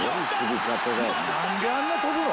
なんであんな飛ぶの？